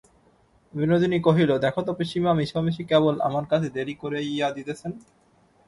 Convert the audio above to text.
বিনোদিনী কহিল, দেখো তো পিসিমা মিছামিছি কেবল আমার কাজে দেরি করাইয়া দিতেছেন।